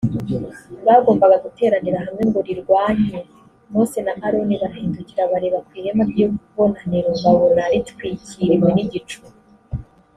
bagombaga guteranira hamwe ngo rirwanye mose na aroni barahindukira bareba ku ihema ry’ ibonaniro babona ritwikiriwe n’igicu